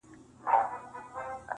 ځکه تاته په قسمت لیکلی اور دی -